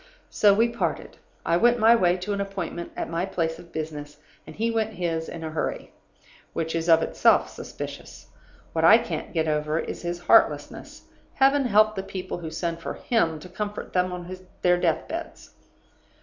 "So we parted. I went my way to an appointment at my place of business, and he went his in a hurry; which is of itself suspicious. What I can't get over is his heartlessness. Heaven help the people who send for him to comfort them on their death beds!